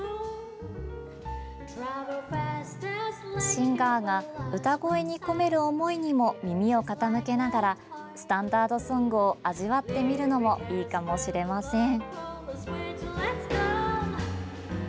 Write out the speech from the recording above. シンガーが歌声に込める思いにも耳を傾けながらスタンダードソングを味わってみるのもいいかもしれません。